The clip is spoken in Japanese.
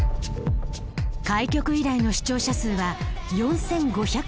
開局以来の視聴者数は４，５００万人を超えた。